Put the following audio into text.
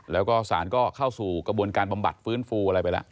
แล้วก็สารก็เข้าสู่กระบวนการบำบัดฟื้นฟูอะไรไปแล้ว